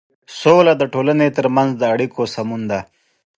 سوله د ټولنې تر منځ د اړيکو سمون دی.